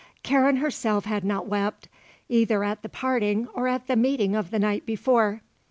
Karen herself had not wept, either at the parting or at the meeting of the night before.